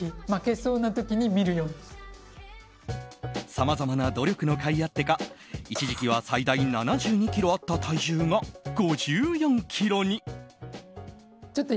さまざまな努力のかいあってか一時期は最大７２ｋｇあった体重が５４ｋｇに。